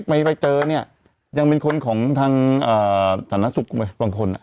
ไปไปเจอเนี้ยยังเป็นคนของทางเอ่อศาลนักศึกบางคนอ่ะ